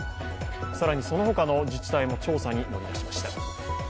更にその他の自治体も調査に乗り出しました。